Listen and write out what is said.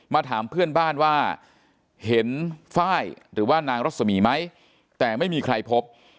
ถามเพื่อนบ้านว่าเห็นไฟล์หรือว่านางรสมีไหมแต่ไม่มีใครพบ